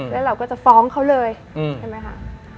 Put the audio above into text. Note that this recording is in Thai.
แล้วเราก็จะฟ้องเขาเลยใช่ไหมคะ